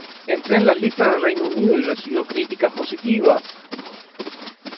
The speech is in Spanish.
Entre en las listas del Reino Unido y recibió críticas positivas.